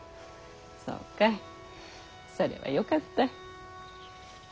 そうかいそれはよかったい。